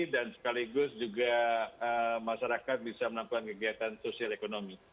dan sekaligus juga masyarakat bisa melakukan kegiatan sosial ekonomi